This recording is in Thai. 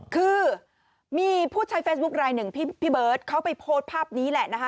คือมีผู้ใช้เฟซบุ๊คลายหนึ่งพี่เบิร์ตเขาไปโพสต์ภาพนี้แหละนะคะ